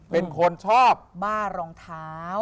เป็นคนชอบบ้ารองเท้า